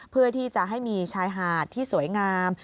เพื่อที่จะให้มีชายหาดที่สวยงาม